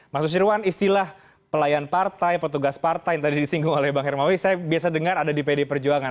mas nusirwan istilah pelayan partai petugas partai yang tadi disinggung oleh bang hermawi saya biasa dengar ada di pd perjuangan